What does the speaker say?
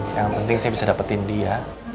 yang penting saya bisa dapetin dia